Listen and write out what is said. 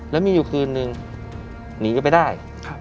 แล้วมีอยู่คืนนึงหนีก็ไปได้